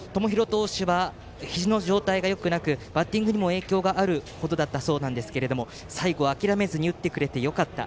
友廣投手はひじの状態がよくなくバッティングにも影響がある程だったそうですが最後は諦めずに打ってくれてよかった。